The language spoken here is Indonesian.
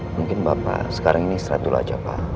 mungkin bapak sekarang ini istirahat dulu aja pak